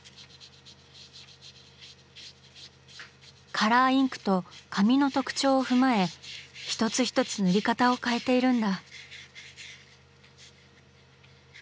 カラーインクと紙の特徴を踏まえ一つ一つ塗り方を変えているんだ。